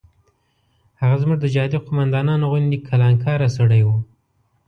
هغه زموږ د جهادي قوماندانانو غوندې کلانکاره سړی و.